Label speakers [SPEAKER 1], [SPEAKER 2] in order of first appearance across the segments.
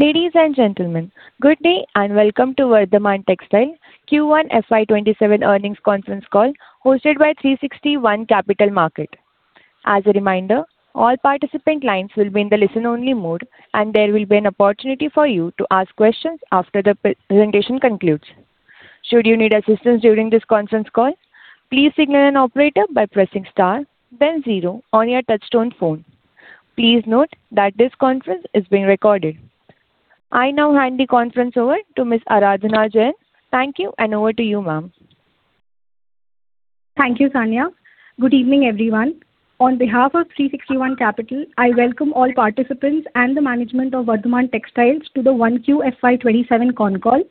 [SPEAKER 1] Ladies and gentlemen, good day and welcome to Vardhman Textiles Q1 FY 2027 earnings conference call hosted by 360 ONE Capital Markets. As a reminder, all participant lines will be in the listen-only mode, and there will be an opportunity for you to ask questions after the presentation concludes. Should you need assistance during this conference call, please signal an operator by pressing star then zero on your touchtone phone. Please note that this conference is being recorded. I now hand the conference over to Ms. Aradhana Jain. Thank you, and over to you, Ma'am.
[SPEAKER 2] Thank you, Sonia. Good evening, everyone. On behalf of 360 ONE Capital, I welcome all participants and the management of Vardhman Textiles to the 1Q FY 2027 con call.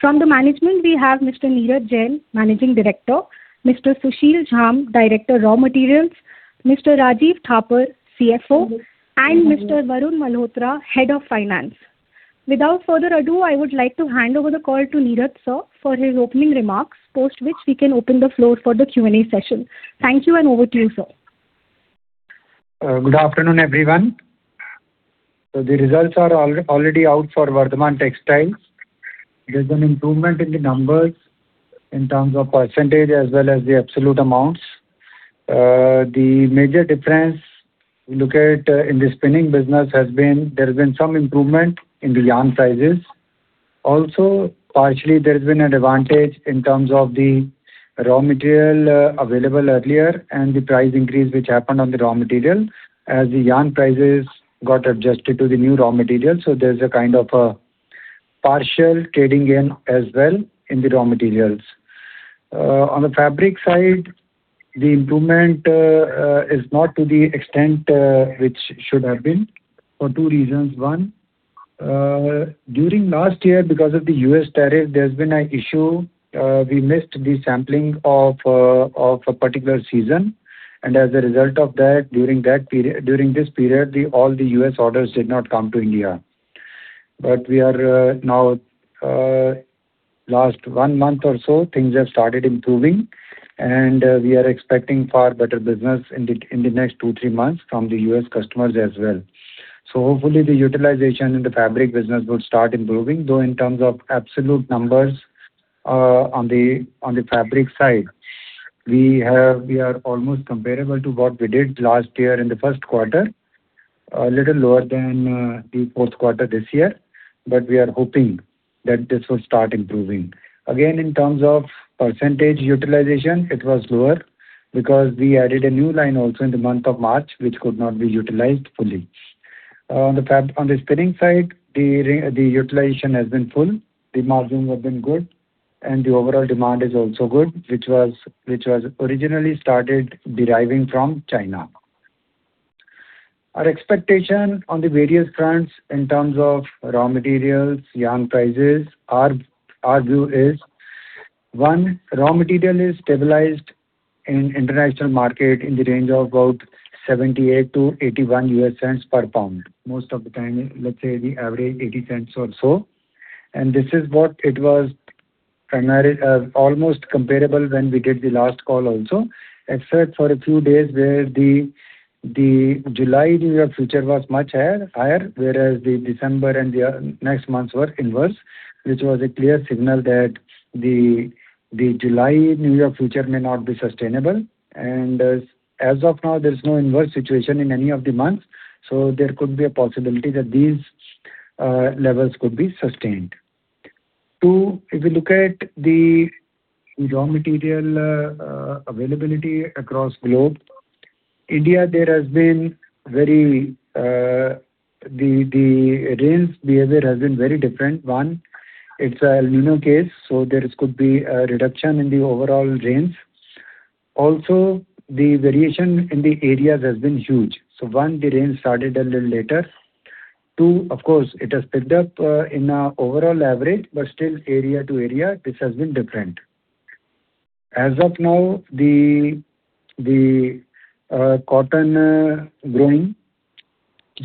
[SPEAKER 2] From the management, we have Mr. Neeraj Jain, Managing Director, Mr. Sushil Jhamb, Director-Raw Materials, Mr. Rajeev Thapar, CFO, and Mr. Varun Malhotra, Head of Finance. Without further ado, I would like to hand over the call to Neeraj sir for his opening remarks, post which we can open the floor for the Q&A session. Thank you, and over to you, sir.
[SPEAKER 3] Good afternoon, everyone. The results are already out for Vardhman Textiles. There's an improvement in the numbers in terms of percentage as well as the absolute amounts. The major difference, if you look at in the spinning business, there's been some improvement in the yarn prices. Also, partially there has been an advantage in terms of the raw material available earlier and the price increase which happened on the raw material as the yarn prices got adjusted to the new raw material. There's a kind of a partial trading in as well in the raw materials. On the fabric side, the improvement is not to the extent which should have been for two reasons. One, during last year, because of the U.S. tariff, there's been an issue. We missed the sampling of a particular season. As a result of that, during this period, all the U.S. orders did not come to India. We are now, last one month or so, things have started improving, and we are expecting far better business in the next two, three months from the U.S. customers as well. Hopefully the utilization in the fabric business would start improving, though in terms of absolute numbers on the fabric side, we are almost comparable to what we did last year in the first quarter. A little lower than the fourth quarter this year, but we are hoping that this will start improving. Again, in terms of percentage utilization, it was lower because we added a new line also in the month of March, which could not be utilized fully. On the spinning side, the utilization has been full, the margins have been good, the overall demand is also good, which was originally started deriving from China. Our expectation on the various fronts in terms of raw materials, yarn prices, our view is, one, raw material is stabilized in international market in the range of about $0.78-$0.81 per pound. Most of the time, let's say the average $0.80 or so. This is what it was almost comparable when we did the last call also. Except for a few days where the July New York Future was much higher, whereas the December and the next months were inverse, which was a clear signal that the July New York Future may not be sustainable. As of now, there's no inverse situation in any of the months, so there could be a possibility that these levels could be sustained. Two, if you look at the raw material availability across globe. India, the rains behavior has been very different. One, it's El Niño case, so there could be a reduction in the overall rains. Also, the variation in the areas has been huge. One, the rain started a little later. Two, of course, it has picked up in a overall average, but still area to area, this has been different. As of now, the cotton growing,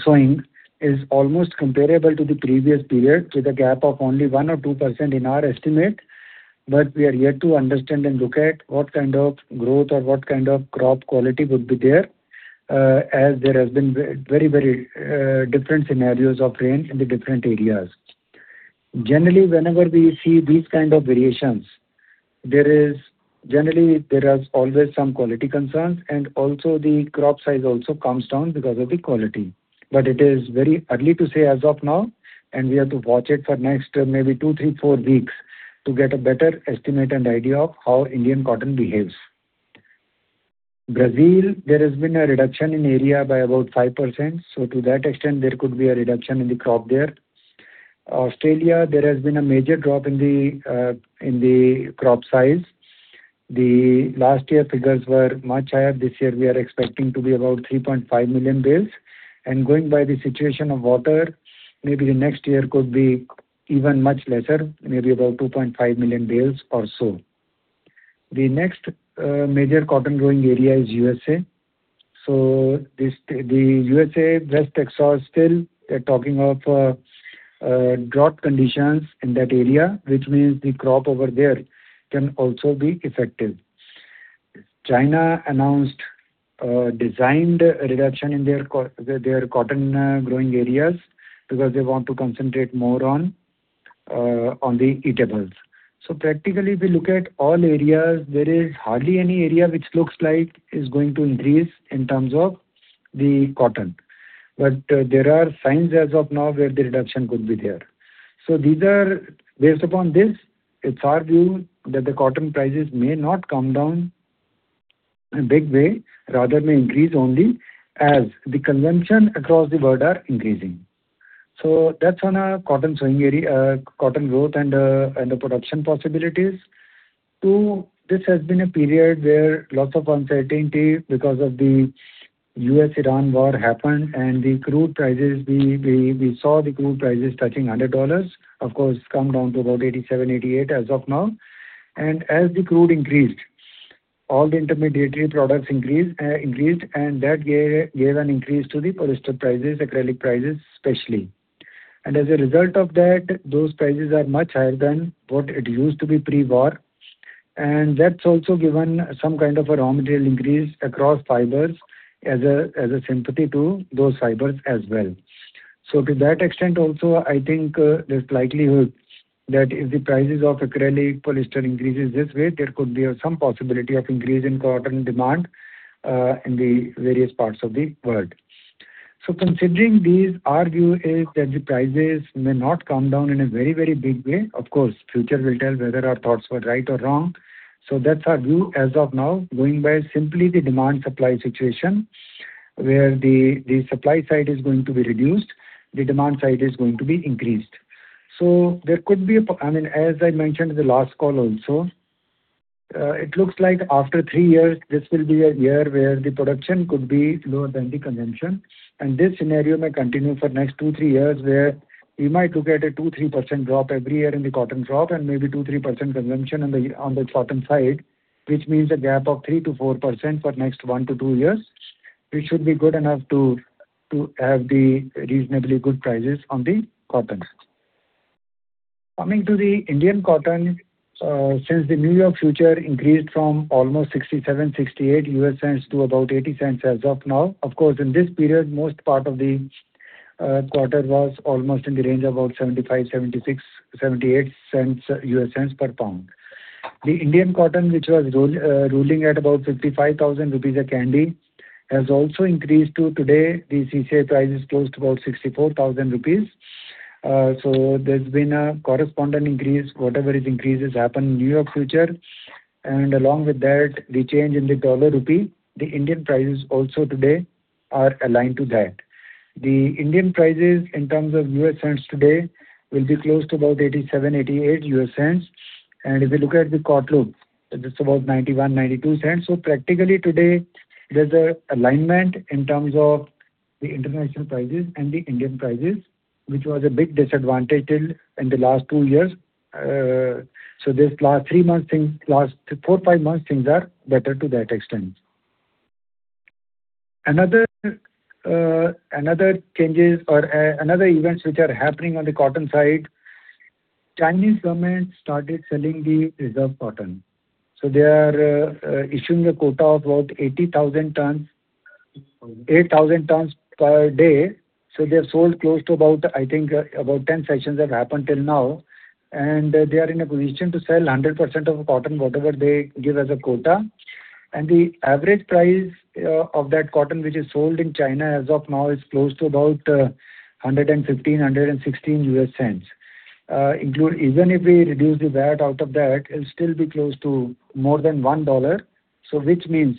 [SPEAKER 3] sowing, is almost comparable to the previous period with a gap of only 1% or 2% in our estimate, but we are yet to understand and look at what kind of growth or what kind of crop quality would be there, as there has been very different scenarios of rain in the different areas. Generally, whenever we see these kind of variations, generally there is always some quality concerns, and also the crop size also comes down because of the quality. It is very early to say as of now, and we have to watch it for next maybe two, three, four weeks to get a better estimate and idea of how Indian cotton behaves. Brazil, there has been a reduction in area by about 5%. To that extent, there could be a reduction in the crop there. Australia, there has been a major drop in the crop size. The last year figures were much higher. This year we are expecting to be about 3.5 million bales. Going by the situation of water, maybe the next year could be even much lesser, maybe about 2.5 million bales or so. The next major cotton growing area is U.S.A. The U.S.A. West Texas still they're talking of drought conditions in that area, which means the crop over there can also be affected China announced a designed reduction in their cotton growing areas because they want to concentrate more on the eatables. Practically, if we look at all areas, there is hardly any area which looks like it's going to increase in terms of the cotton. There are signs as of now where the reduction could be there. Based upon this, it's our view that the cotton prices may not come down in a big way, rather may increase only as the consumption across the world are increasing. That's on cotton growth and the production possibilities. Two, this has been a period where lots of uncertainty because of the U.S.-Iran war happened and we saw the crude prices touching $100. Of course, it's come down to about $87, $88 as of now. As the crude increased, all the intermediary products increased, and that gave an increase to the Polyester prices, Acrylic prices especially. As a result of that, those prices are much higher than what it used to be pre-war. That's also given some kind of a raw material increase across fibers as a sympathy to those fibers as well. To that extent also, I think there's likelihood that if the prices of acrylic, polyester increases this way, there could be some possibility of increase in cotton demand in the various parts of the world. Considering these, our view is that the prices may not come down in a very big way. Of course, future will tell whether our thoughts were right or wrong. That's our view as of now, going by simply the demand-supply situation, where the supply side is going to be reduced, the demand side is going to be increased. As I mentioned in the last call also, it looks like after three years, this will be a year where the production could be lower than the consumption. This scenario may continue for next two, three years, where we might look at a 2%-3% drop every year in the cotton crop and maybe 2%-3% consumption on the cotton side, which means a gap of 3%-4% for next one to two years, which should be good enough to have the reasonably good prices on the cotton. Coming to the Indian cotton, since the New York Future increased from almost $0.67-$0.68 to about $0.80 as of now. Of course, in this period, most part of the quarter was almost in the range of about $0.75, $0.76, $0.78 per pound. The Indian cotton, which was ruling at about 55,000 rupees a candy, has also increased to today, the CCI price is close to about 64,000 rupees. There's been a corresponding increase, whatever is increases happen in New York Future. Along with that, the change in the dollar-rupee, the Indian prices also today are aligned to that. The Indian prices in terms of U.S. cents today will be close to about $0.87-$0.88. If you look at the Cotlook, that's about $0.91-$0.92. Practically today, there's an alignment in terms of the international prices and the Indian prices, which was a big disadvantage till in the last two years. This last four, five months, things are better to that extent. Another events which are happening on the cotton side, Chinese government started selling the reserve cotton. They are issuing a quota of about 80,000 tons per day. They have sold close to about, I think, about 10 sessions have happened till now, and they are in a position to sell 100% of the cotton, whatever they give as a quota. The average price of that cotton, which is sold in China as of now, is close to about $1.15-$1.16. Even if we reduce the VAT out of that, it'll still be close to more than $1, which means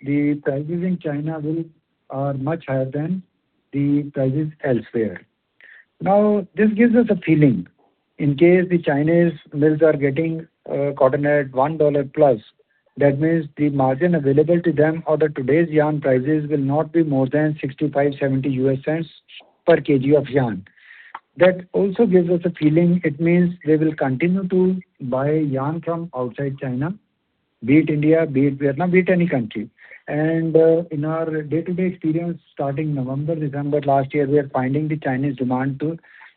[SPEAKER 3] the prices in China are much higher than the prices elsewhere. This gives us a feeling, in case the Chinese mills are getting cotton at $1+, that means the margin available to them or the today's yarn prices will not be more than $0.65-$0.70 per kg of yarn. That also gives us a feeling, it means they will continue to buy yarn from outside China, be it India, be it Vietnam, be it any country. In our day-to-day experience, starting November, December last year, we are finding the Chinese demand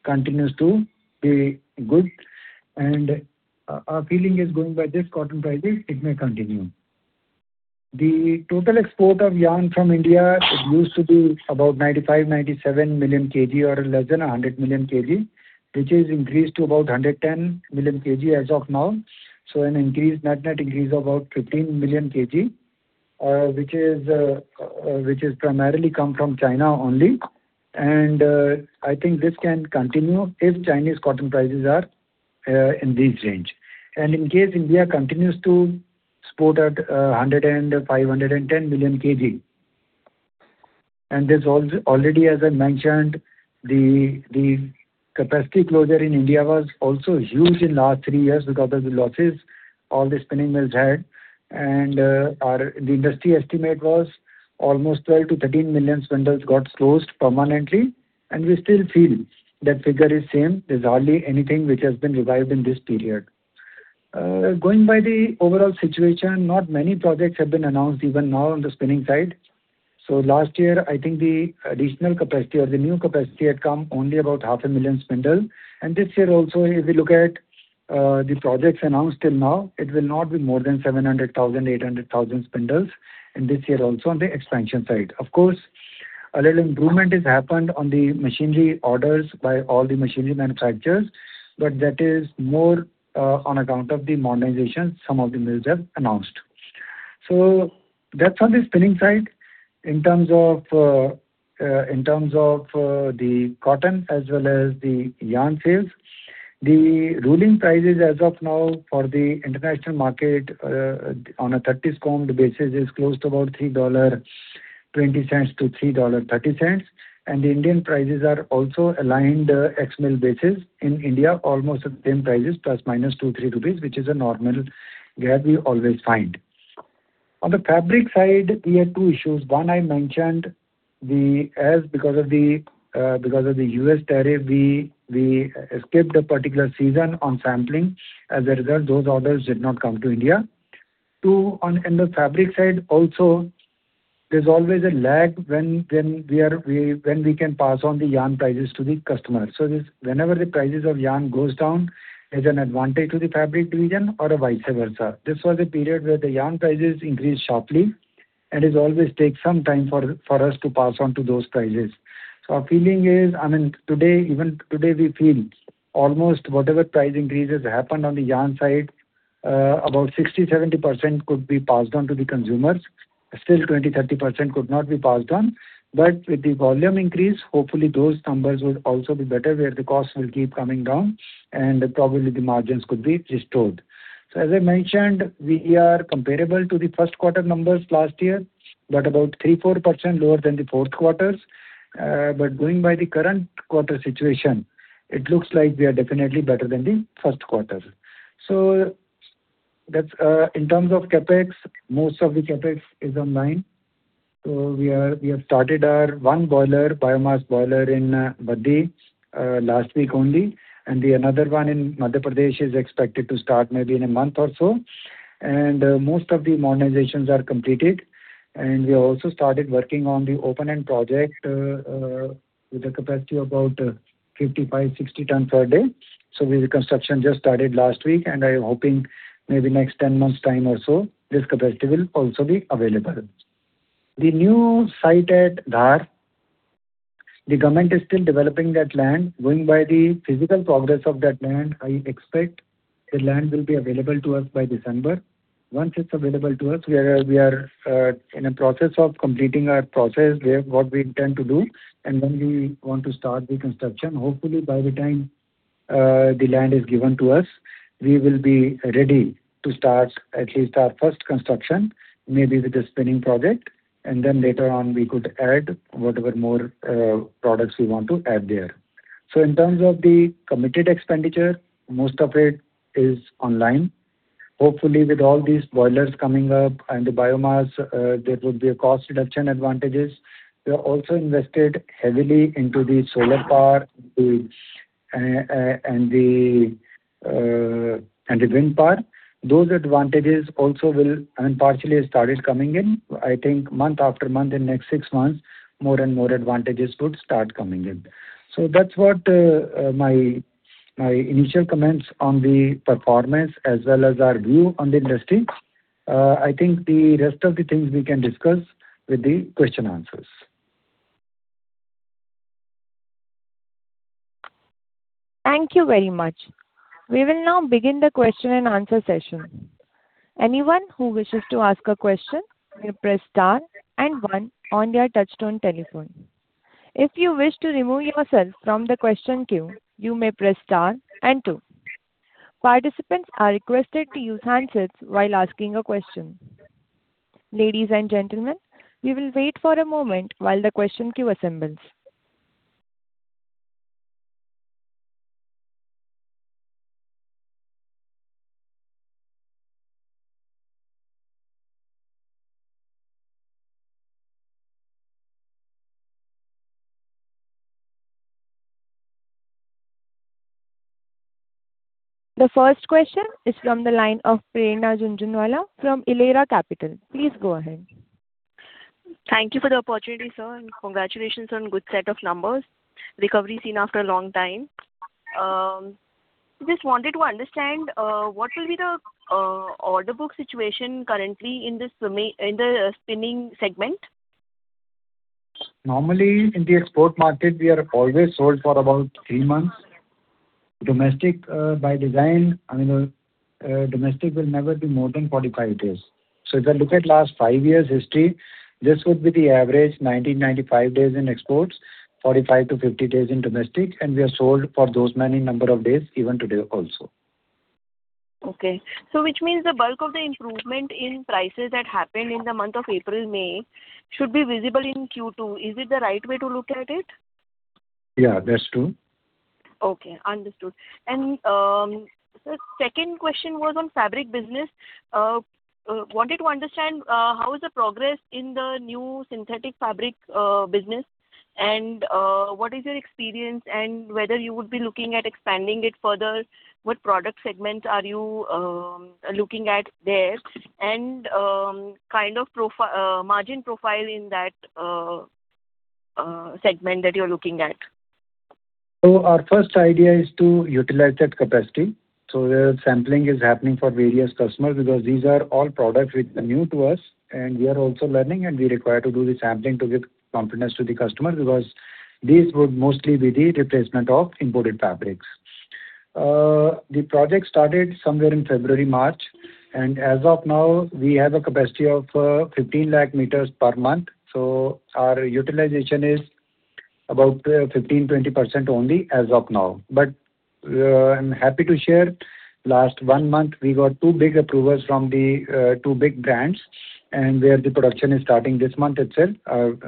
[SPEAKER 3] continues to be good, and our feeling is going by this cotton prices, it may continue. The total export of yarn from India used to be about 95 million-97 million kg or less than 100 million kg, which has increased to about 110 million kg as of now. A net increase of about 15 million kg, which is primarily come from China only, and I think this can continue if Chinese cotton prices are in this range. In case India continues to export at 105 million-110 million kg, and this already, as I mentioned, the capacity closure in India was also huge in last three years because of the losses all the spinning mills had. The industry estimate was almost 12 million-13 million spindles got closed permanently, and we still feel that figure is same. There's hardly anything which has been revived in this period. Going by the overall situation, not many projects have been announced even now on the spinning side. Last year, I think the additional capacity or the new capacity had come only about 0.5 million spindles. This year also, if we look at the projects announced till now, it will not be more than 700,000-800,000 spindles in this year also on the expansion side. Of course, a little improvement has happened on the machinery orders by all the machinery manufacturers, but that is more on account of the modernization some of the mills have announced. That's on the spinning side. In terms of the cotton as well as the yarn sales, the ruling prices as of now for the international market on a 30s combed basis is close to about $3.20-$3.30. The Indian prices are also aligned ex-mill basis in India, almost at the same prices plus or minus 2-3 rupees, which is a normal gap we always find. On the fabric side, we had two issues. One, I mentioned, because of the U.S. tariff, we skipped a particular season on sampling. As a result, those orders did not come to India. Two, on the fabric side also, there's always a lag when we can pass on the yarn prices to the customer. Whenever the prices of yarn goes down, there's an advantage to the fabric division or vice versa. This was a period where the yarn prices increased sharply, and it always takes some time for us to pass on those prices. Our feeling is, even today we feel almost whatever price increases happened on the yarn side, about 60%-70% could be passed on to the consumers. Still, 20%-30% could not be passed on. But with the volume increase, hopefully those numbers will also be better, where the cost will keep coming down, and probably the margins could be restored. As I mentioned, we are comparable to the first quarter numbers last year, but about 3%-4% lower than the fourth quarters. But going by the current quarter situation, it looks like we are definitely better than the first quarter. In terms of CapEx, most of the CapEx is online. We have started our one biomass boiler in Baddi last week only, and another one in Madhya Pradesh is expected to start maybe in a month or so. And most of the modernizations are completed. And we also started working on the open-end project, with a capacity of about 55 tons-60 tons per day. The construction just started last week, and I am hoping maybe in the next 10 months' time or so, this capacity will also be available. The new site at Dhar, the government is still developing that land. Going by the physical progress of that land, I expect the land will be available to us by December. Once it's available to us, we are in a process of completing our process, what we intend to do, and when we want to start the construction. Hopefully, by the time the land is given to us, we will be ready to start at least our first construction, maybe with the spinning project, and then later on we could add whatever more products we want to add there. In terms of the committed expenditure, most of it is online. Hopefully, with all these boilers coming up and the biomass, there would be cost reduction advantages. We have also invested heavily into the solar power and the wind power. Those advantages also will partially start coming in. Month after month in the next six months, more and more advantages would start coming in. That's what my initial comments on the performance as well as our view on the industry. The rest of the things we can discuss with the question and answers.
[SPEAKER 1] Thank you very much. We will now begin the question and answer session. Anyone who wishes to ask a question may press star and one on their touchtone telephone. If you wish to remove yourself from the question queue, you may press star and two. Participants are requested to use handsets while asking a question. Ladies and gentlemen, we will wait for a moment while the question queue assembles. The first question is from the line of Prerna Jhunjhunwala from Elara Capital. Please go ahead.
[SPEAKER 4] Thank you for the opportunity, sir, and congratulations on good set of numbers. Recovery seen after a long time. Just wanted to understand what will be the order book situation currently in the spinning segment?
[SPEAKER 3] Normally in the export market, we are always sold for about three months. Domestic will never be more than 45 days. If you look at the last five years' history, this would be the average, 90-95 days in exports, 45-50 days in domestic, we are sold for those many number of days even today also.
[SPEAKER 4] Okay. Which means the bulk of the improvement in prices that happened in the month of April, May, should be visible in Q2. Is it the right way to look at it?
[SPEAKER 3] Yeah, that's true.
[SPEAKER 4] Understood. Sir, second question was on Fabric business. Wanted to understand how is the progress in the new synthetic Fabric business? What is your experience and whether you would be looking at expanding it further? What product segment are you looking at there, and kind of margin profile in that segment that you're looking at?
[SPEAKER 3] Our first idea is to utilize that capacity. Where sampling is happening for various customers, because these are all products which are new to us, and we are also learning, and we require to do the sampling to give confidence to the customer, because these would mostly be the replacement of imported fabrics. The project started somewhere in February, March, and as of now, we have a capacity of 15 lakh meters per month. Our utilization is about 15%-20% only as of now. I'm happy to share, last one month, we got two big approvals from the two big brands, where the production is starting this month itself,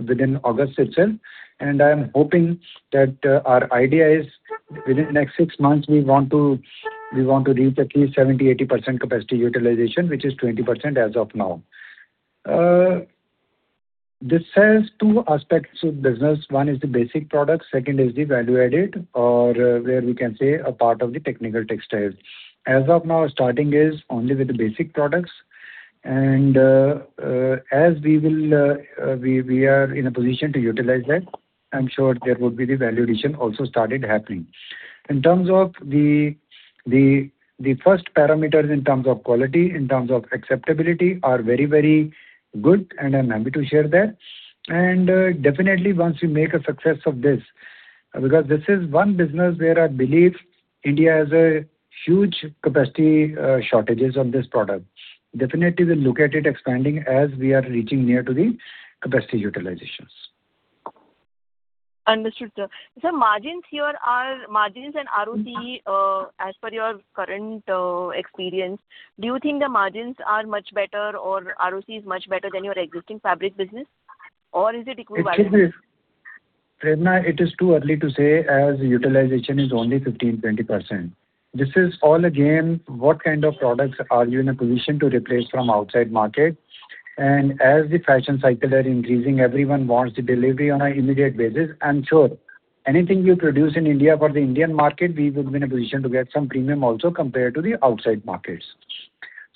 [SPEAKER 3] within August itself. I'm hoping that our idea is within next six months, we want to reach at least 70%-80% capacity utilization, which is 20% as of now. This has two aspects of business. One is the basic product, second is the value-added, or where we can say a part of the technical textiles. As of now, starting is only with the basic products, and as we are in a position to utilize that, I'm sure there would be the value addition also started happening. In terms of the first parameters in terms of quality, in terms of acceptability are very good, and I'm happy to share that. Definitely once we make a success of this, because this is one business where I believe India has a huge capacity shortages of this product. Definitely we'll look at it expanding as we are reaching near to the capacity utilizations.
[SPEAKER 4] Understood, sir. Sir, margins here are margins and ROCE. As per your current experience, do you think the margins are much better or ROCE is much better than your existing Fabric business? Is it equivalent?
[SPEAKER 3] Prerna, it is too early to say as utilization is only 15%-20%. This is all, again, what kind of products are you in a position to replace from outside market? As the fashion cycle are increasing, everyone wants the delivery on an immediate basis. I'm sure anything we produce in India for the Indian market, we would be in a position to get some premium also compared to the outside markets.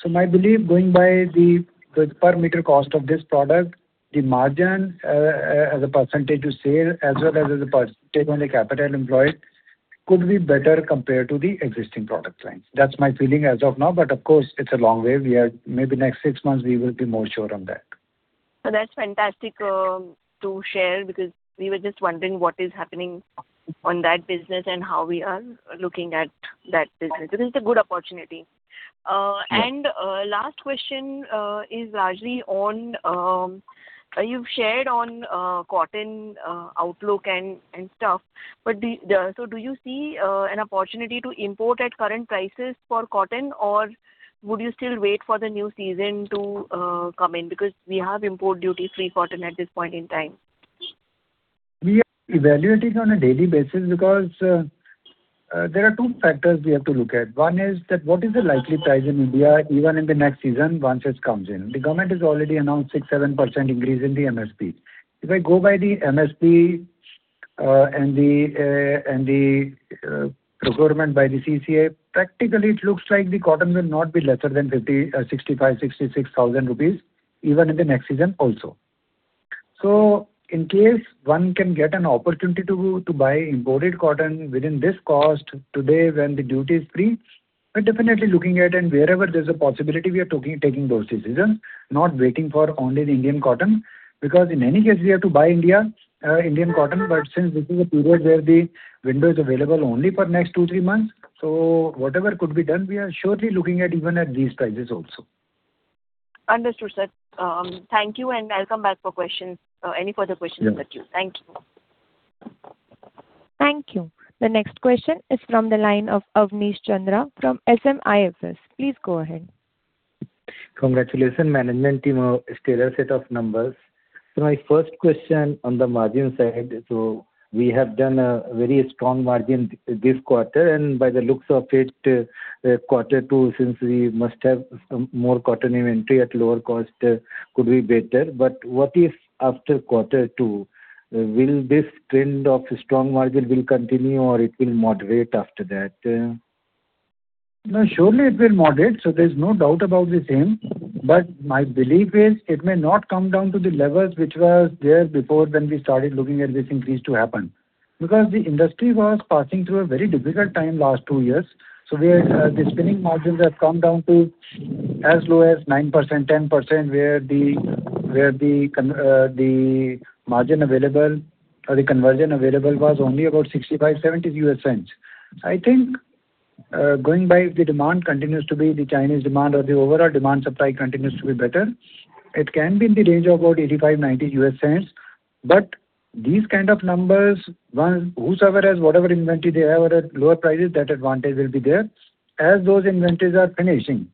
[SPEAKER 3] My belief going by the per meter cost of this product, the margin as a percentage of sale as well as a percentage on the capital employed, could be better compared to the existing product lines. That's my feeling as of now. Of course it's a long way. Maybe next six months we will be more sure on that.
[SPEAKER 4] That's fantastic to share because we were just wondering what is happening on that business and how we are looking at that business. This is a good opportunity.
[SPEAKER 3] Yeah.
[SPEAKER 4] Last question is largely on, you've shared on cotton outlook and stuff. Do you see an opportunity to import at current prices for cotton, or would you still wait for the new season to come in? Because we have import duty-free cotton at this point in time.
[SPEAKER 3] We are evaluating on a daily basis because there are two factors we have to look at. One is that what is the likely price in India, even in the next season once it comes in. The government has already announced 6%-7% increase in the MSP. If I go by the MSP and the procurement by the CCI, practically it looks like the cotton will not be lesser than 65,000-66,000 rupees, even in the next season also. In case one can get an opportunity to buy imported cotton within this cost today when the duty is free, we're definitely looking at and wherever there's a possibility, we are taking those decisions, not waiting for only the Indian cotton, because in any case we have to buy Indian cotton. Since this is a period where the window is available only for next two, three months, whatever could be done, we are surely looking at even at these prices also.
[SPEAKER 4] Understood, sir. Thank you. I'll come back for any further questions-
[SPEAKER 3] Sure.
[SPEAKER 4] -with you. Thank you.
[SPEAKER 1] Thank you. The next question is from the line of Awanish Chandra from SMIFS. Please go ahead.
[SPEAKER 5] Congratulations, management team, a stellar set of numbers. My first question on the margin side. We have done a very strong margin this quarter, and by the looks of it, quarter two, since we must have more cotton inventory at lower cost could be better. What if after quarter two, will this trend of strong margin continue or it will moderate after that?
[SPEAKER 3] No, surely it will moderate. There's no doubt about the same. My belief is it may not come down to the levels which was there before when we started looking at this increase to happen. Because the industry was passing through a very difficult time last two years. Where the spinning margins have come down to as low as 9%-10%, where the margin available or the conversion available was only about $0.65-$0.70. I think, going by the demand continues to be the Chinese demand or the overall demand-supply continues to be better. It can be in the range of about $0.85-$0.90. These kind of numbers, whosoever has whatever inventory they have are at lower prices, that advantage will be there. As those inventories are finishing,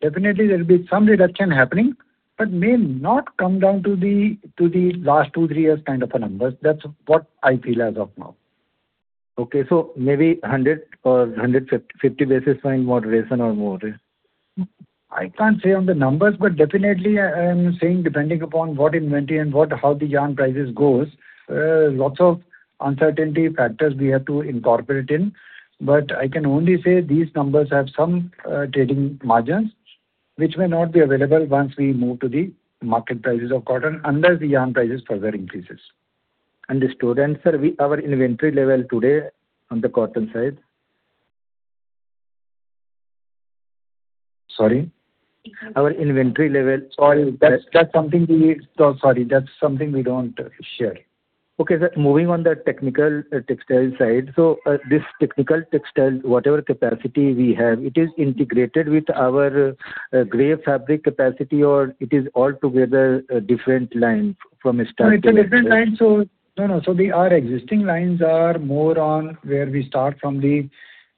[SPEAKER 3] definitely there will be some reduction happening, but may not come down to the last two, three years kind of a numbers. That's what I feel as of now.
[SPEAKER 5] Okay, maybe 100 basis points or 150 basis points moderation or more.
[SPEAKER 3] I can't say on the numbers, but definitely, I'm saying depending upon what inventory and how the yarn prices goes, lots of uncertainty factors we have to incorporate in. I can only say these numbers have some trading margins, which may not be available once we move to the market prices of cotton unless the yarn prices further increases. To answer, our inventory level today on the cotton side. Sorry?
[SPEAKER 5] Our inventory level-
[SPEAKER 3] Sorry, that's something we don't share.
[SPEAKER 5] Okay, sir. Moving on the technical textile side. This technical textile, whatever capacity we have, it is integrated with our gray fabric capacity, or it is altogether a different line from starting-
[SPEAKER 3] No, it's a different line. No. Our existing lines are more on where we start from the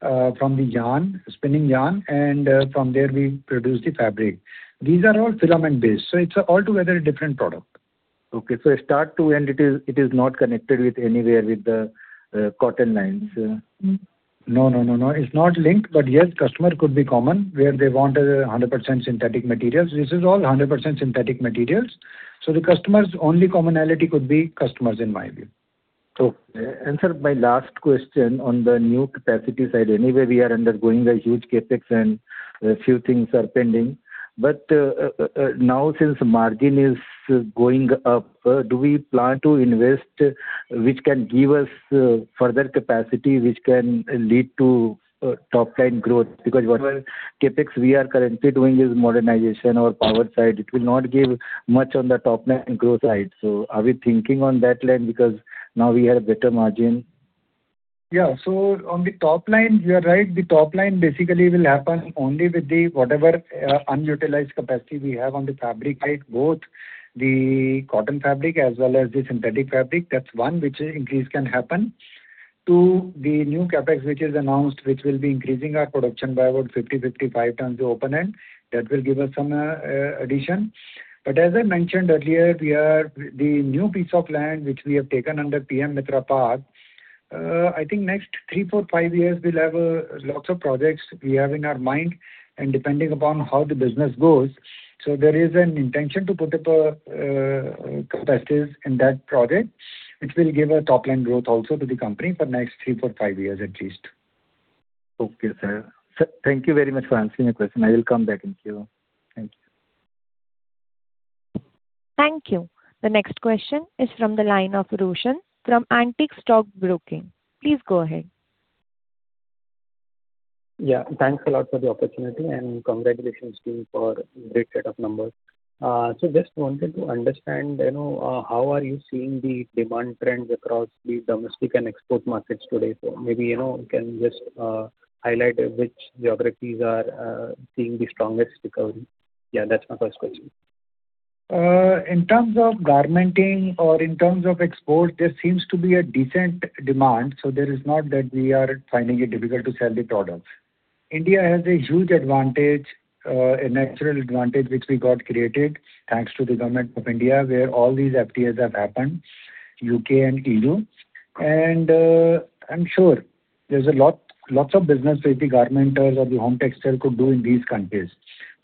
[SPEAKER 3] spinning yarn, and from there we produce the fabric. These are all filament based, so it's altogether a different product.
[SPEAKER 5] Okay, start to end, it is not connected with anywhere with the cotton lines?
[SPEAKER 3] No, it's not linked. Yes, customer could be common where they want 100% synthetic materials. This is all 100% synthetic materials. The only commonality could be customers in my view.
[SPEAKER 5] Okay. Sir, my last question on the new capacity side. Anyway, we are undergoing a huge CapEx and a few things are pending. Now since margin is going up, do we plan to invest, which can give us further capacity, which can lead to top-line growth? Because whatever CapEx we are currently doing is modernization or power side, it will not give much on the top-line growth side. Are we thinking on that line because now we have better margin?
[SPEAKER 3] Yeah. On the top line, you are right. The top line basically will happen only with whatever unutilized capacity we have on the fabric side, both the cotton fabric as well as the synthetic fabric. That's one, which increase can happen. Two, the new CapEx, which is announced, which will be increasing our production by about 50x-55x the open end. That will give us some addition. As I mentioned earlier, the new piece of land which we have taken under PM MITRA Park, I think next three, four, five years we'll have lots of projects we have in our mind and depending upon how the business goes. There is an intention to put up a capacities in that project, which will give a top-line growth also to the company for next three, four, five years at least.
[SPEAKER 5] Okay, sir. Thank you very much for answering my question. I will come back in queue. Thank you.
[SPEAKER 1] Thank you. The next question is from the line of Roshan from Antique Stock Broking. Please go ahead.
[SPEAKER 6] Thanks a lot for the opportunity and congratulations to you for great set of numbers. Just wanted to understand how are you seeing the demand trends across the domestic and export markets today. Maybe you can just highlight which geographies are seeing the strongest recovery. That's my first question.
[SPEAKER 3] In terms of garmenting or in terms of export, there seems to be a decent demand, there is not that we are finding it difficult to sell the products. India has a huge advantage, a natural advantage which we got created, thanks to the government of India, where all these FTAs have happened, U.K. and EU. I'm sure there's lots of business which the garmentors or the home textile could do in these countries.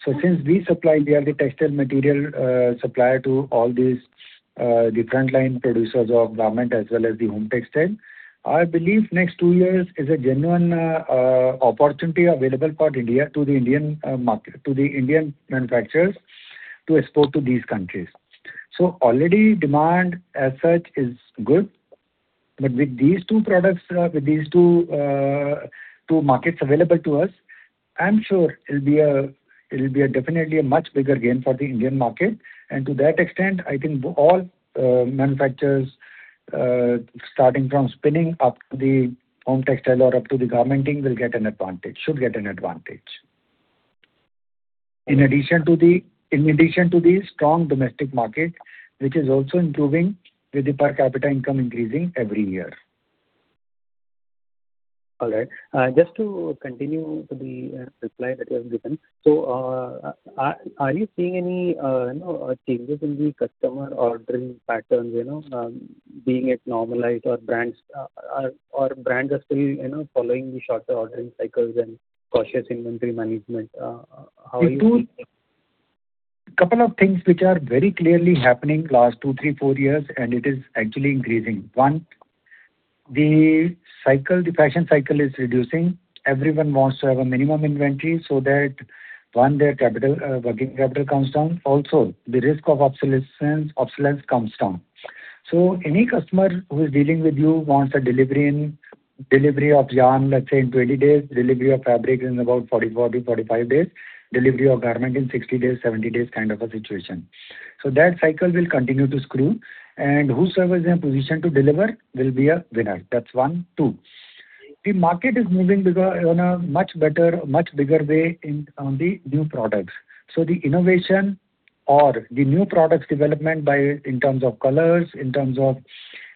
[SPEAKER 3] Since we supply, we are the textile material supplier to all these different line producers of garment as well as the home textile. I believe next two years is a genuine opportunity available for India to the Indian manufacturers to export to these countries. Already demand as such is good. With these two markets available to us, I'm sure it'll be definitely a much bigger gain for the Indian market, and to that extent, I think all manufacturers, starting from spinning up to the home textile or up to the garmenting will get an advantage. Should get an advantage. In addition to the strong domestic market, which is also improving with the per capita income increasing every year.
[SPEAKER 6] All right. Just to continue to the reply that you have given. Are you seeing any changes in the customer ordering patterns be it normalized or brands are still following the shorter ordering cycles and cautious inventory management? How are you-
[SPEAKER 3] A couple of things which are very clearly happening last two, three, four years, and it is actually increasing. One, the fashion cycle is reducing. Everyone wants to have a minimum inventory so that, one, their working capital comes down. Also, the risk of obsolescence comes down. Any customer who is dealing with you wants a delivery of yarn, let's say in 20 days, delivery of fabric in about 44-45 days, delivery of garment in 60-70 days kind of a situation. That cycle will continue to screw and whosoever is in a position to deliver will be a winner. That's one. Two, the market is moving on a much bigger way on the new products. The innovation or the new products development in terms of colors, in terms of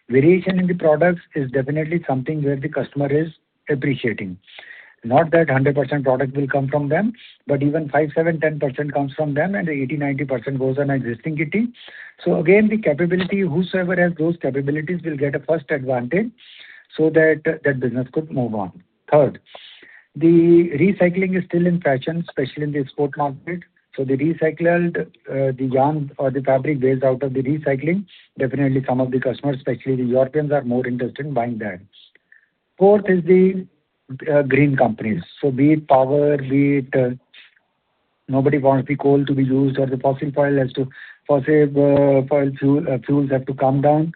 [SPEAKER 3] variation in the products, is definitely something where the customer is appreciating. Not that 100% product will come from them, but even 5%, 7%, 10% comes from them, and 80%, 90% goes on existing kitty. Again, whosoever has those capabilities will get a first advantage so that that business could move on. Third, the recycling is still in fashion, especially in the export market. The recycled, the yarn or the fabric based out of the recycling, definitely some of the customers, especially the Europeans, are more interested in buying that. Fourth is the green companies. Be it power, be it nobody wants the coal to be used or the fossil fuels have to come down.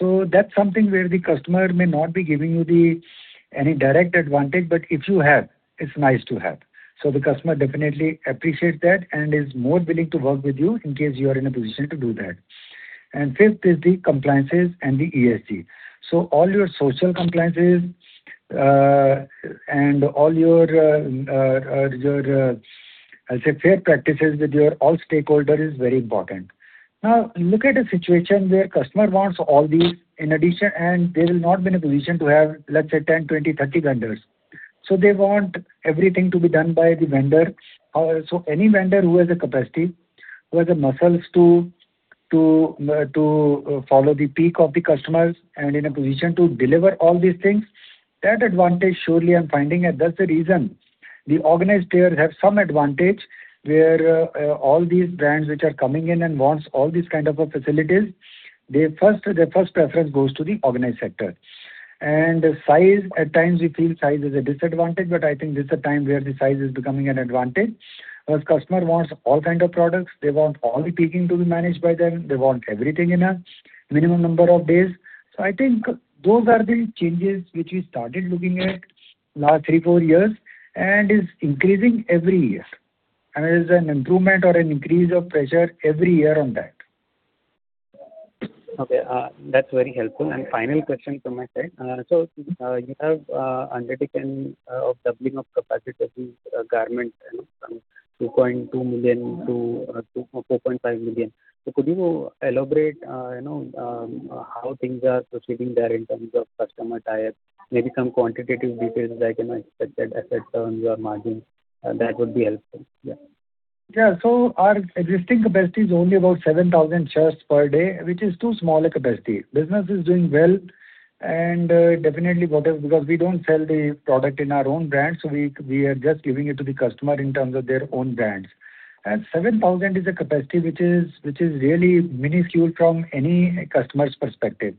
[SPEAKER 3] That's something where the customer may not be giving you any direct advantage, but if you have, it's nice to have. The customer definitely appreciates that and is more willing to work with you in case you are in a position to do that. Fifth is the compliances and the ESG. All your social compliances, and all your, let's say, fair practices with your all stakeholder is very important. Now, look at a situation where customer wants all these, and they will not be in a position to have, let's say, 10, 20, 30 vendors. They want everything to be done by the vendor. Any vendor who has the capacity, who has the muscles to follow the peak of the customers and in a position to deliver all these things, that advantage surely I'm finding, and that's the reason the organized players have some advantage, where all these brands which are coming in and wants all these kind of facilities, their first preference goes to the organized sector. Size, at times we feel size is a disadvantage, but I think this is a time where the size is becoming an advantage, because customer wants all kind of products. They want all the picking to be managed by them. They want everything in a minimum number of days. I think those are the changes which we started looking at last three, four years, and is increasing every year. There's an improvement or an increase of pressure every year on that.
[SPEAKER 6] Okay. That's very helpful. Final question from my side. You have undertaken of doubling of capacity of the garment from 2.2 million to 4.5 million shirts. Could you elaborate how things are proceeding there in terms of customer tie-up, maybe some quantitative details I can expect that affect on your margin? That would be helpful. Yeah.
[SPEAKER 3] Yeah. Our existing capacity is only about 7,000 shirts per day, which is too small a capacity. Business is doing well and definitely because we don't sell the product in our own brands, we are just giving it to the customer in terms of their own brands. 7,000 shirts is a capacity which is really minuscule from any customer's perspective.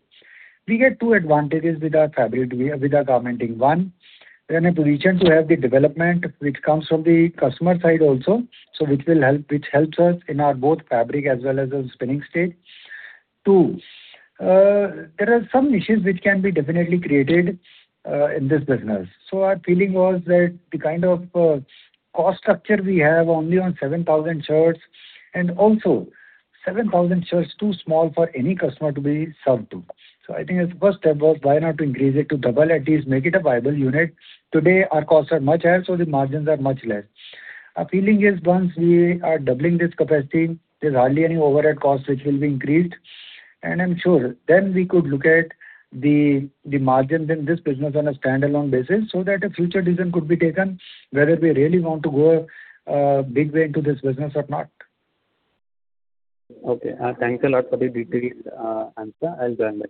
[SPEAKER 3] We get two advantages with our garmenting. One, we are in a position to have the development which comes from the customer side also, which helps us in our both fabric as well as our spinning stage. Two, there are some niches which can be definitely created in this business. Our feeling was that the kind of cost structure we have only on 7,000 shirts, too small for any customer to be served to. I think as first step was why not to increase it to double at least, make it a viable unit. Today, our costs are much higher, so the margins are much less. Our feeling is once we are doubling this capacity, there's hardly any overhead cost which will be increased. I'm sure then we could look at the margin in this business on a standalone basis so that a future decision could be taken whether we really want to go a big way into this business or not.
[SPEAKER 6] Okay. Thanks a lot for the detailed answer. I'll join back.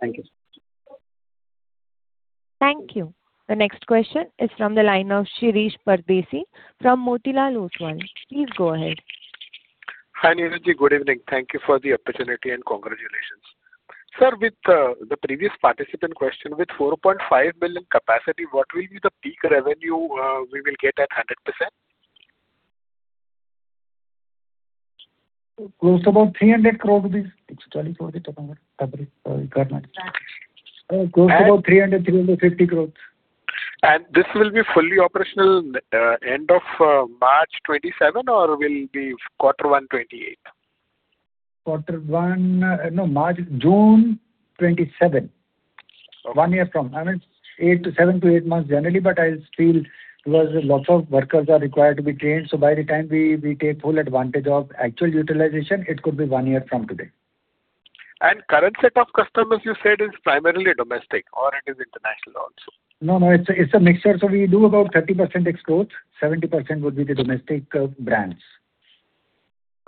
[SPEAKER 6] Thank you.
[SPEAKER 1] Thank you. The next question is from the line of Shirish Pardeshi from Motilal Oswal. Please go ahead.
[SPEAKER 7] Hi, Neeraj. Good evening. Thank you for the opportunity, and congratulations. Sir, with the previous participant question, with 4.5 million shirts capacity, what will be the peak revenue we will get at 100%?
[SPEAKER 3] Close to about INR 300 crore-INR 350 crore.
[SPEAKER 7] This will be fully operational end of March 2027 or will be quarter one 2028?
[SPEAKER 3] No, June 2027. One year from now. Seven to eight months generally, I feel because lots of workers are required to be trained, by the time we take full advantage of actual utilization, it could be one year from today.
[SPEAKER 7] Current set of customers you said is primarily domestic or it is international also?
[SPEAKER 3] No, it's a mixture. We do about 30% exports, 70% would be the domestic brands.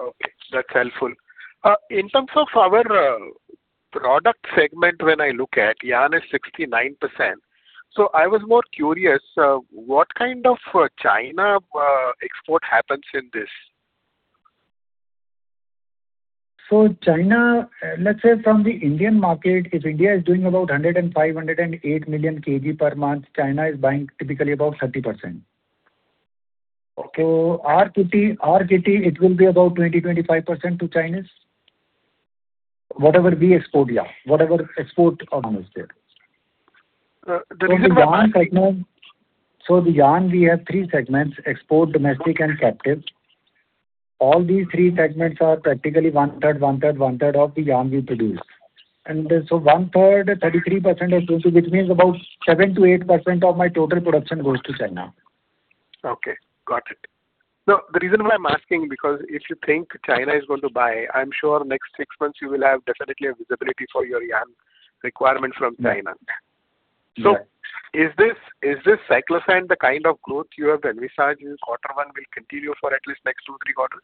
[SPEAKER 7] Okay. That's helpful. In terms of our product segment, when I look at, yarn is 69%. I was more curious, what kind of China export happens in this?
[SPEAKER 3] China, let's say from the Indian market, if India is doing about 105 million-108 million kg per month, China is buying typically about 30%.
[SPEAKER 7] Okay.
[SPEAKER 3] Our TP, it will be about 20%-25% to Chinese. Whatever we export, yeah. Whatever export comes there. The yarn we have three segments, export, domestic, and captive. All these three segments are practically 1/3, 1/3, 1/3 of the yarn we produce. One-third, 33% goes to, which means about 7%-8% of my total production goes to China.
[SPEAKER 7] Okay, got it. The reason why I'm asking, because if you think China is going to buy, I'm sure next six months you will have definitely a visibility for your yarn requirement from China.
[SPEAKER 3] Yeah.
[SPEAKER 7] Is this [cycle], the kind of growth you have envisaged in quarter one will continue for at least next two, three quarters?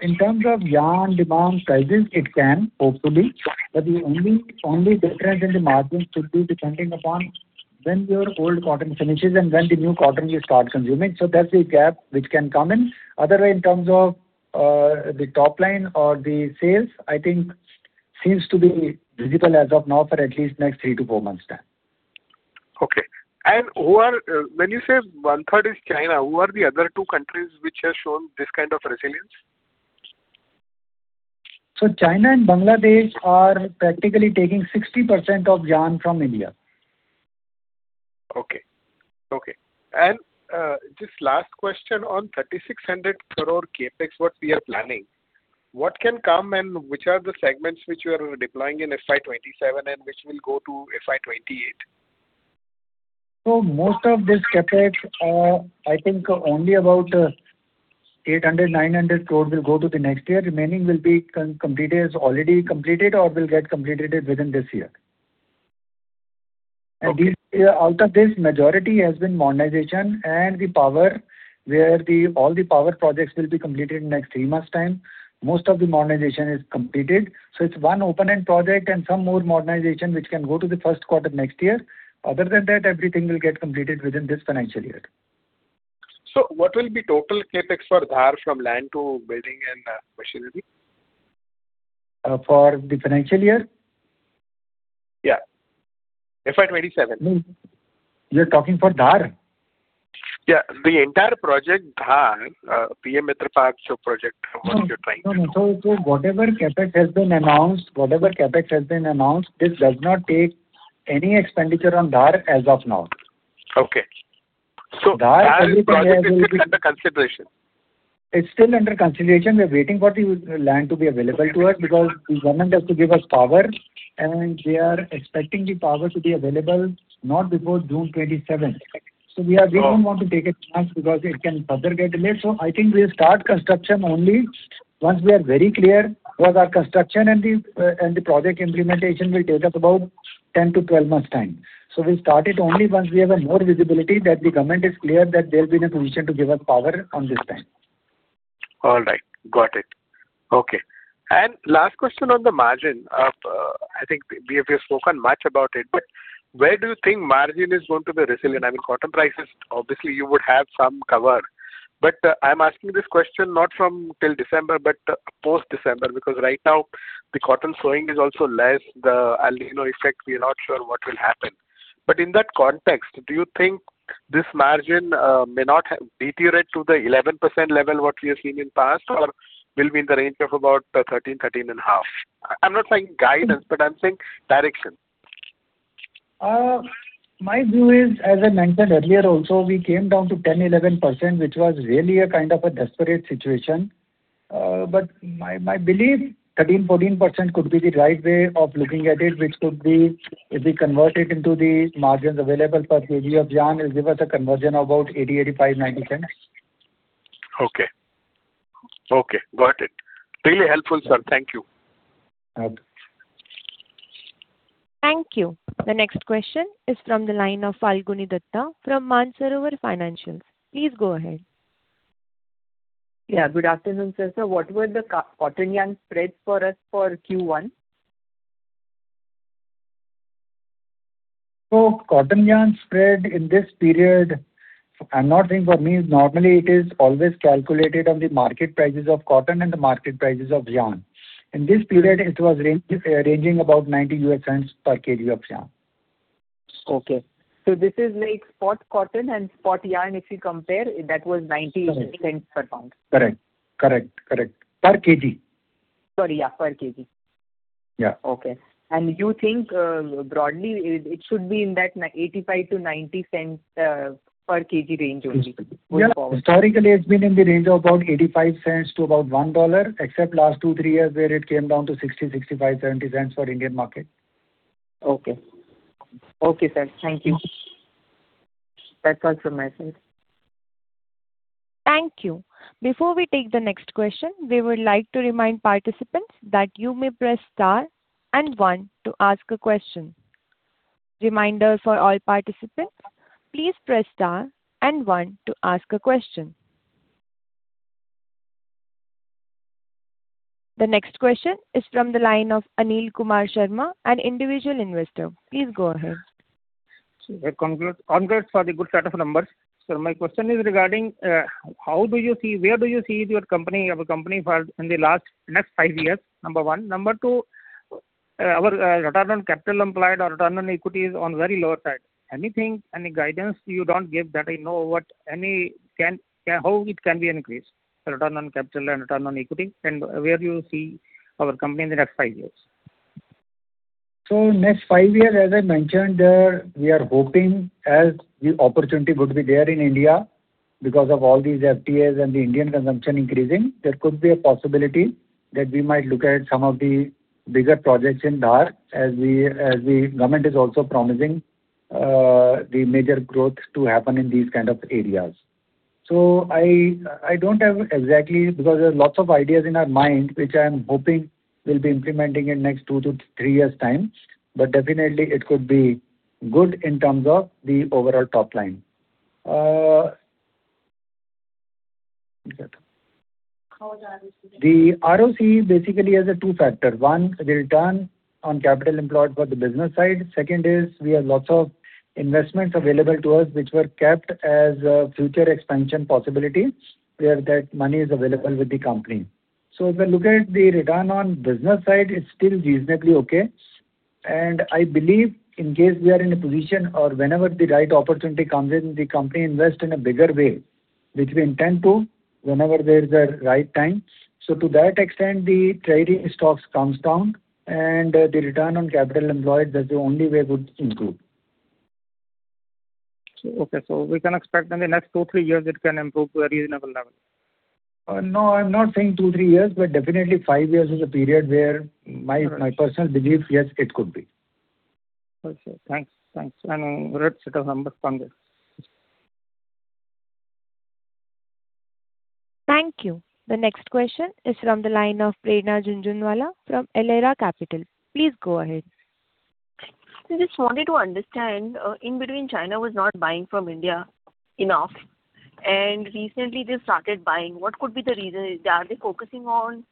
[SPEAKER 3] In terms of yarn demand sizes, it can, hopefully. The only difference in the margins should be depending upon when your old cotton finishes and when the new cotton you start consuming. That's the gap which can come in. Otherwise, in terms of the top line or the sales, I think seems to be visible as of now for at least next three to four months time.
[SPEAKER 7] Okay. When you say 1/3 is China, who are the other two countries which have shown this kind of resilience?
[SPEAKER 3] China and Bangladesh are practically taking 60% of yarn from India.
[SPEAKER 7] Okay. Just last question on 3,600 crore CapEx what we are planning, what can come and which are the segments which you are deploying in FY 2027 and which will go to FY 2028?
[SPEAKER 3] Most of this CapEx, I think only about 800 crore-900 crore will go to the next year. Remaining will be completed, is already completed or will get completed within this year.
[SPEAKER 7] Okay.
[SPEAKER 3] Out of this, majority has been modernization and the power where all the power projects will be completed in next three months' time. Most of the modernization is completed. It's one open-end project and some more modernization, which can go to the first quarter next year. Other than that, everything will get completed within this financial year.
[SPEAKER 7] What will be total CapEx for Dhar from land to building and machinery?
[SPEAKER 3] For the financial year?
[SPEAKER 7] Yeah. FY 2027.
[SPEAKER 3] You're talking for Dhar?
[SPEAKER 7] Yeah. The entire project Dhar, PM MITRA Park show project from what you're trying to-
[SPEAKER 3] Whatever Capex has been announced, this does not take any expenditure on Dhar as of now.
[SPEAKER 7] Okay. Dhar project is still under consideration?
[SPEAKER 3] It's still under consideration. We're waiting for the land to be available to us because the government has to give us power, and we are expecting the power to be available not before June 27. We don't want to take a chance because it can further get delayed. I think we'll start construction only once we are very clear, because our construction and the project implementation will take up about 10-12 months' time. We'll start it only once we have a more visibility that the government is clear that they'll be in a position to give us power on this time.
[SPEAKER 7] All right. Got it. Okay. Last question on the margin of, I think we have spoken much about it, but where do you think margin is going to be resilient? Cotton prices, obviously you would have some cover, but I'm asking this question not from till December, but post-December, because right now the cotton sowing is also less. The El Niño effect, we are not sure what will happen. In that context, do you think this margin may not have deteriorated to the 11% level what we have seen in past, or will be in the range of about 13%-13.5%? I'm not saying guidance, but I'm saying direction.
[SPEAKER 3] My view is, as I mentioned earlier also, we came down to 10%-11%, which was really a kind of a desperate situation. My belief, 13%-14% could be the right way of looking at it, which could be, if we convert it into the margins available per kg of yarn, will give us a conversion of about $0.80, $0.85, $0.90.
[SPEAKER 7] Okay. Got it. Really helpful, sir. Thank you.
[SPEAKER 3] Yeah.
[SPEAKER 1] Thank you. The next question is from the line of Falguni Dutta from Mansarovar Financials. Please go ahead.
[SPEAKER 8] Yeah, good afternoon, sir. Sir, what were the cotton yarn spreads for us for Q1?
[SPEAKER 3] Cotton yarn spread in this period, I'm not saying for me, normally it is always calculated on the market prices of cotton and the market prices of yarn. In this period, it was ranging about $0.90 per kg of yarn.
[SPEAKER 8] Okay. This is like spot cotton and spot yarn, if you compare, that was $0.90 per pound?
[SPEAKER 3] Correct. Per kg.
[SPEAKER 8] Sorry, yeah, per kg.
[SPEAKER 3] Yeah.
[SPEAKER 8] Okay. You think, broadly, it should be in that $0.85-$0.90 per kg range only?
[SPEAKER 3] Yeah. Historically, it's been in the range of about $0.85 to about $1, except last two, three years, where it came down to $0.60, $0.65, $0.70 for Indian market.
[SPEAKER 8] Okay. Okay, sir. Thank you. That's all from my side.
[SPEAKER 1] Thank you. Before we take the next question, we would like to remind participants that you may press star and one to ask a question. Reminder for all participants, please press star and one to ask a question. The next question is from the line of Anil Kumar Sharma, an individual investor. Please go ahead.
[SPEAKER 9] Sir, congrats for the good set of numbers. Sir, my question is regarding where do you see your company for in the next five years? Number one. Number two, our return on capital employed or return on equity is on very lower side. Anything, any guidance you don't give that I know, how it can be increased, the return on capital and return on equity? Where do you see our company in the next five years?
[SPEAKER 3] Next five years, as I mentioned, we are hoping as the opportunity would be there in India Because of all these FTAs and the Indian consumption increasing, there could be a possibility that we might look at some of the bigger projects in Dhar as the government is also promising the major growth to happen in these kind of areas. I don't have exactly Because there's lots of ideas in our mind, which I'm hoping we'll be implementing in next two to three years' time. Definitely it could be good in terms of the overall top line.
[SPEAKER 9] How is ROCE looking?
[SPEAKER 3] The ROCE basically has two factors. One, the return on capital employed for the business side. Second is, we have lots of investments available to us, which were kept as future expansion possibilities, where that money is available with the company. If you look at the return on business side, it's still reasonably okay. I believe in case we are in a position or whenever the right opportunity comes in, the company invest in a bigger way, which we intend to whenever there's a right time. To that extent, the trading stocks comes down and the return on capital employed, that's the only way it would improve.
[SPEAKER 9] Okay, we can expect in the next two, three years it can improve to a reasonable level.
[SPEAKER 3] No, I'm not saying two, three years, definitely five years is a period where my personal belief, yes, it could be.
[SPEAKER 9] Okay, thanks.
[SPEAKER 3] Thank you.
[SPEAKER 1] Thank you. The next question is from the line of Prerna Jhunjhunwala from Elara Capital. Please go ahead.
[SPEAKER 4] I just wanted to understand, in between China was not buying from India enough. Recently they started buying. What could be the reason? Are they focusing on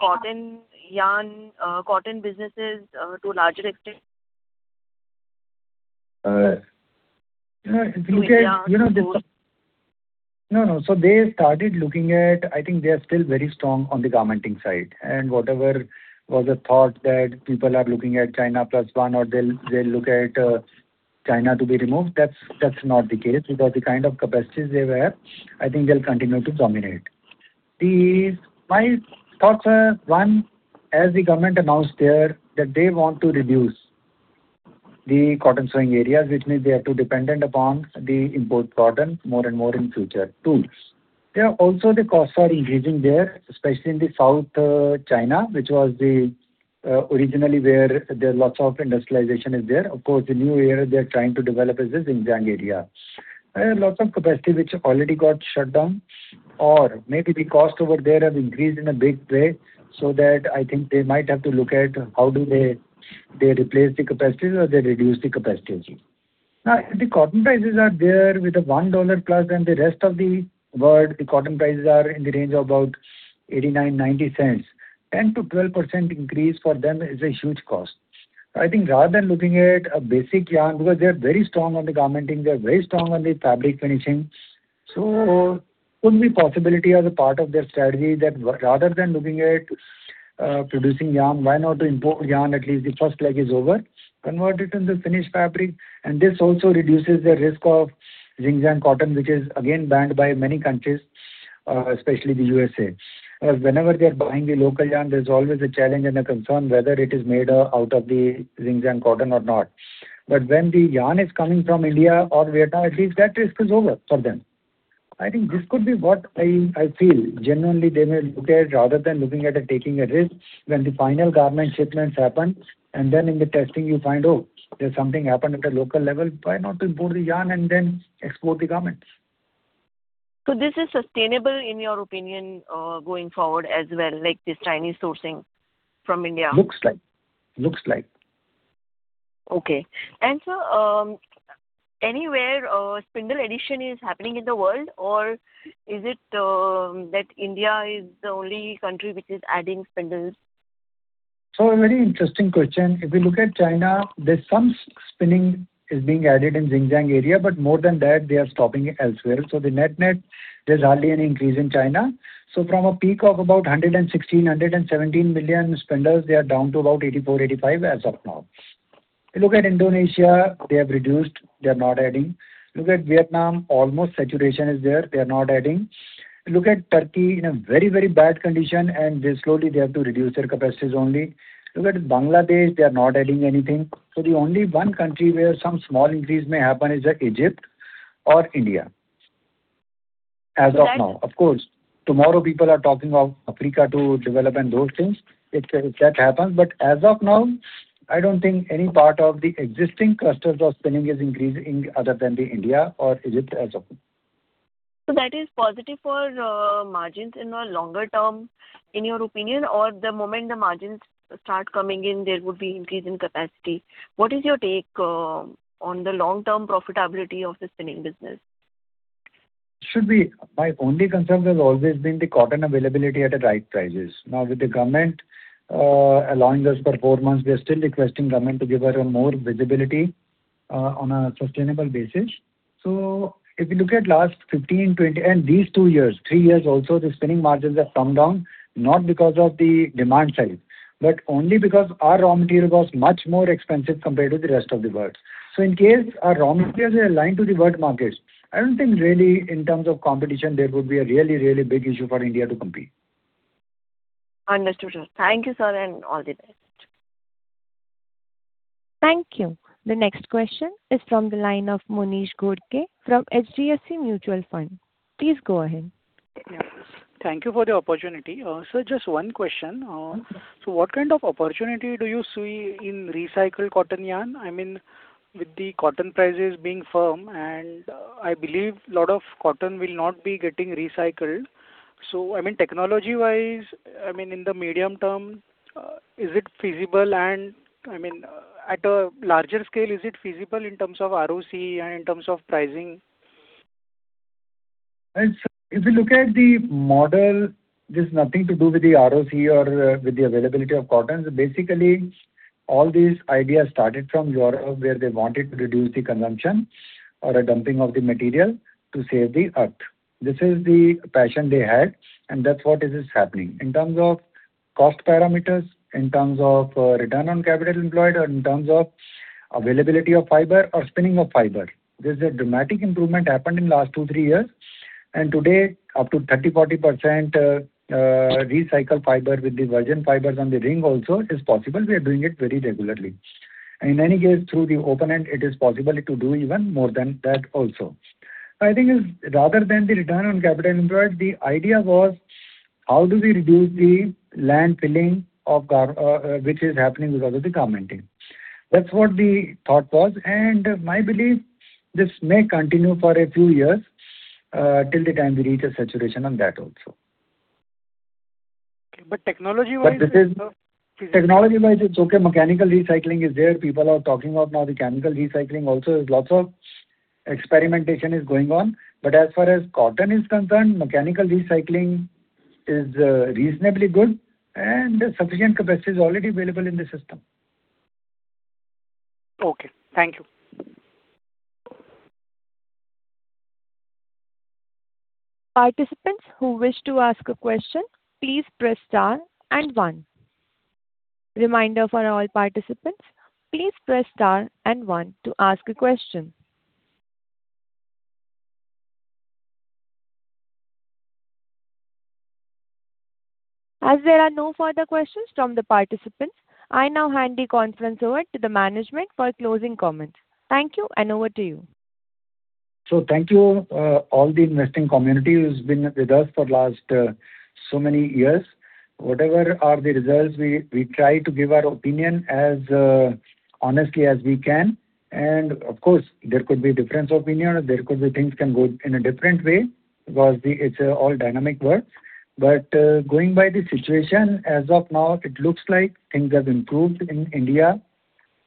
[SPEAKER 4] cotton yarn, cotton businesses to a larger extent?
[SPEAKER 3] No. They started looking at, I think they are still very strong on the garmenting side. Whatever was a thought that people are looking at China Plus One or they'll look at China to be removed, that's not the case. The kind of capacities they have, I think they'll continue to dominate. My thoughts are, one, as the government announced there, that they want to reduce the cotton sowing areas, which means they are too dependent upon the import cotton more and more in future, two. The costs are increasing there, especially in the South China, which was originally where there are lots of industrialization is there. Of course, the new area they're trying to develop is this Xinjiang area. There are lots of capacity which already got shut down or maybe the cost over there have increased in a big way. I think they might have to look at how do they replace the capacities or they reduce the capacities. The cotton prices are there with a $1+ and the rest of the world, the cotton prices are in the range of about $0.89, $0.90. 10%-12% increase for them is a huge cost. I think rather than looking at a basic yarn, because they're very strong on the garmenting, they're very strong on the fabric finishing. Could be possibility as a part of their strategy that rather than looking at producing yarn, why not to import yarn, at least the first leg is over, convert it into finished fabric, and this also reduces the risk of Xinjiang cotton, which is again banned by many countries, especially the U.S.A. Whenever they are buying the local yarn, there's always a challenge and a concern whether it is made out of the Xinjiang cotton or not. When the yarn is coming from India or Vietnam, at least that risk is over for them. I think this could be what I feel. Genuinely, they may look at rather than looking at taking a risk when the final garment shipments happen, and then in the testing you find, "Oh, there's something happened at a local level," why not import the yarn and then export the garments?
[SPEAKER 4] This is sustainable in your opinion going forward as well, like this Chinese sourcing from India?
[SPEAKER 3] Looks like.
[SPEAKER 4] Okay. sir, anywhere spindle addition is happening in the world or is it that India is the only country which is adding spindles?
[SPEAKER 3] A very interesting question. If you look at China, there's some spinning is being added in Xinjiang area, more than that, they are stopping it elsewhere. The net, there's hardly any increase in China. From a peak of about 116 million-117 million spindles, they are down to about 84 million-85 million spindles as of now. If you look at Indonesia, they have reduced, they're not adding. Look at Vietnam, almost saturation is there, they're not adding. Look at Turkey, in a very bad condition, and they slowly they have to reduce their capacities only. Look at Bangladesh, they are not adding anything. The only one country where some small increase may happen is either Egypt or India as of now. Of course, tomorrow people are talking of Africa to develop and those things, if that happens. As of now, I don't think any part of the existing clusters of spinning is increasing other than the India or Egypt as of now.
[SPEAKER 4] That is positive for margins in a longer term in your opinion, or the moment the margins start coming in, there would be increase in capacity. What is your take on the long-term profitability of the spinning business?
[SPEAKER 3] Should be. My only concern has always been the cotton availability at the right prices. Now with the government allowing us for four months, we are still requesting government to give us a more visibility on a sustainable basis. If you look at last 15, 20, and these two years, three years also, the spinning margins have come down, not because of the demand side, but only because our raw material was much more expensive compared to the rest of the world. In case our raw materials are aligned to the world markets, I don't think really in terms of competition, there would be a really big issue for India to compete.
[SPEAKER 4] Understood, sir. Thank you, sir, and all the best.
[SPEAKER 1] Thank you. The next question is from the line of Monish Ghodke from HDFC Mutual Fund. Please go ahead.
[SPEAKER 10] Yes. Thank you for the opportunity. Sir, just one question. What kind of opportunity do you see in recycled cotton yarn? With the cotton prices being firm, and I believe lot of cotton will not be getting recycled. Technology-wise, in the medium term, is it feasible and at a larger scale, is it feasible in terms of ROCE and in terms of pricing?
[SPEAKER 3] If you look at the model, it is nothing to do with the ROCE or with the availability of cotton. Basically, all these ideas started from Europe, where they wanted to reduce the consumption or a dumping of the material to save the Earth. This is the passion they had, and that's what is happening. In terms of cost parameters, in terms of return on capital employed, or in terms of availability of fiber or spinning of fiber, there's a dramatic improvement happened in last two, three years. Today, up to 30%-40% recycled fiber with the virgin fibers on the ring also is possible. We are doing it very regularly. In any case, through the open-end, it is possible to do even more than that also. I think rather than the return on capital employed, the idea was how do we reduce the land filling which is happening because of the garmenting. That's what the thought was. My belief, this may continue for a few years, till the time we reach a saturation on that also.
[SPEAKER 10] Technology-wise
[SPEAKER 3] Technology-wise, it's okay. Mechanical recycling is there. People are talking of now the chemical recycling also. There's lots of experimentation is going on, but as far as cotton is concerned, mechanical recycling is reasonably good and sufficient capacity is already available in the system.
[SPEAKER 10] Okay. Thank you.
[SPEAKER 1] Participants who wish to ask a question, please press star and one. Reminder for all participants, please press star and one to ask a question. As there are no further questions from the participants, I now hand the conference over to the management for closing comments. Thank you, and over to you.
[SPEAKER 3] Thank you all the investing community who's been with us for last so many years. Whatever are the results, we try to give our opinion as honestly as we can. Of course, there could be difference opinion. There could be things can go in a different way because it's all dynamic work. Going by the situation, as of now, it looks like things have improved in India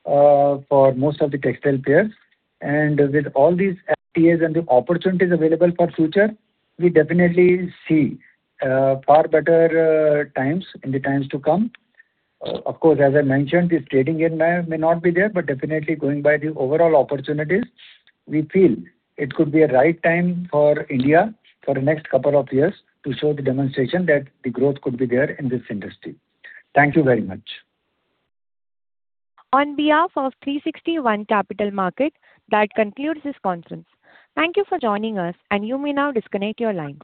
[SPEAKER 3] for most of the textile players. With all these FTAs and the opportunities available for future, we definitely see far better times in the times to come. Of course, as I mentioned, this trading may not be there, but definitely going by the overall opportunities, we feel it could be a right time for India for next couple of years to show the demonstration that the growth could be there in this industry. Thank you very much.
[SPEAKER 1] On behalf of 360 ONE Capital Markets, that concludes this conference. Thank you for joining us, and you may now disconnect your line.